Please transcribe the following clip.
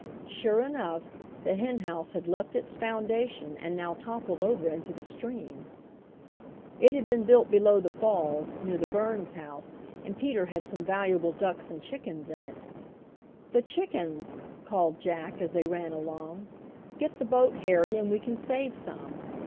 Sure enough, the henhouse had left its foundation and now toppled over into the stream. It had been built below the falls, near the Burns house, and Peter had some valuable ducks and chickens in it. "The chickens!" called Jack, as they ran along. "Get the boat, Harry, and we can save some."